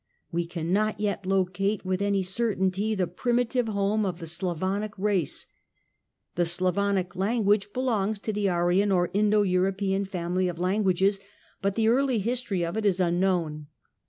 We cannot yet locate with any certainty the primitive lome of the Slavonic race. The Slavonic language )elongs to the Aryan or Indo European family of anguages, but the early history of it is unknown.